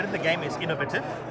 apakah game ini inovatif